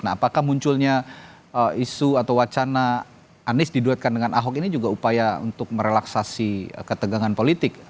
nah apakah munculnya isu atau wacana anies diduetkan dengan ahok ini juga upaya untuk merelaksasi ketegangan politik